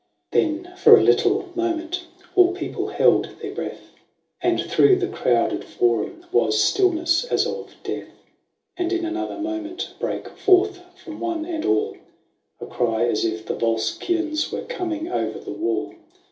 Then, for a little moment, all people held their. breath; And through the crowded Forum was stillness as of death ; And in another moment brake forth from one and all A cry as if the Yolscians were coming o'er the wall.